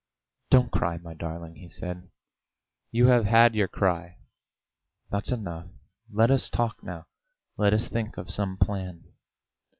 "Don't cry, my darling," he said. "You've had your cry; that's enough.... Let us talk now, let us think of some plan."